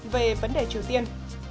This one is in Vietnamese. về vấn đề triều tiên